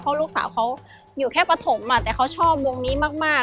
เพราะลูกสาวเขาอยู่แค่ปฐมแต่เขาชอบวงนี้มาก